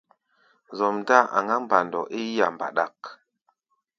Zɔm-dáa aŋá mbandɔ é yí-a ɓaɗak.